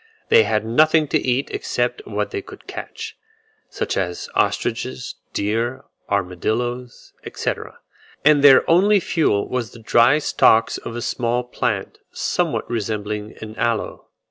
They had nothing to eat excepting what they could catch, such as ostriches, deer, armadilloes, etc., and their only fuel was the dry stalks of a small plant, somewhat resembling an aloe.